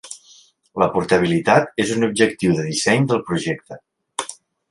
La portabilitat és un objectiu de disseny del projecte.